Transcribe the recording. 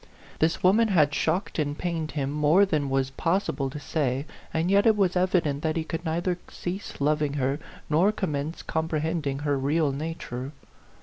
This woman had shocked and pained him more than was possible to say, and yet it was evident that he could neither cease loving her, nor com mence comprehending her real nature.